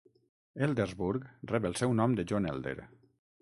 Eldersburg rep el seu nom de John Elder.